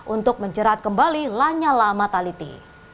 untuk menjerat kembali lanyala mataliti